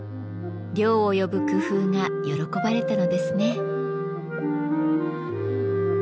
涼を呼ぶ工夫が喜ばれたのですね。